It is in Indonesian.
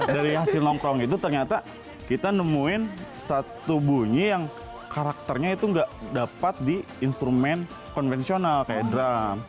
dari hasil nongkrong itu ternyata kita nemuin satu bunyi yang karakternya itu nggak dapat di instrumen konvensional kayak drum